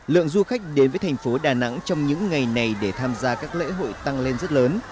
lượng du khách đến với thành phố đà nẵng trong những ngày này để tham gia các lễ hội tăng lên rất lớn